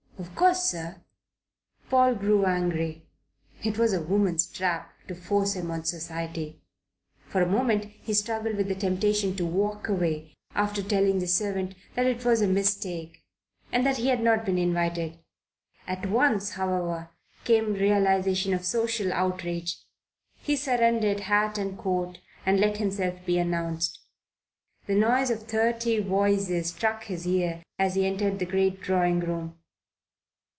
"Of course, sir." Paul grew angry. It was a woman's trap to force him on society. For a moment he struggled with the temptation to walk away after telling the servant that it was a mistake and that he had not been invited. At once, however, came realization of social outrage. He surrendered hat and coat and let himself be announced. The noise of thirty voices struck his ear as he entered the great drawing room.